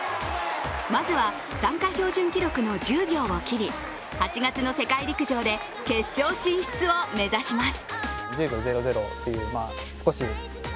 まずは参加標準記録の１０秒を切り、８月の世界陸上で決勝進出を目指します。